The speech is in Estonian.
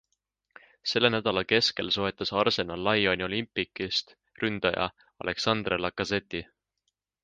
Selle nädala keskel soetas Arsenal Lyoni Olympique'ist ründaja Alexandre Lacazette'i.